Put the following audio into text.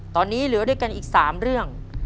ตอนนี้เหลือด้วยกันอีก๓เรื่อง